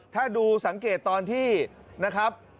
ถ้าดูสังเกตตอนที่นะครับ